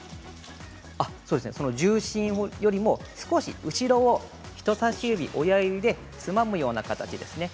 重心よりも少し後ろ人さし指、親指でつまむような形ですね。